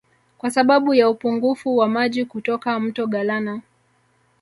Kwa sababu ya upungufu wa maji kutoka Mto Galana